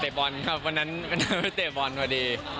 เตะบอลครับวันนั้นไปเตะบอลพอดี